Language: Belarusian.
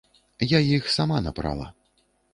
Я іх сама напрала.